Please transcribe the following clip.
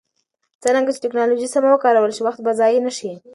څرنګه چې ټکنالوژي سمه وکارول شي، وخت به ضایع نه شي.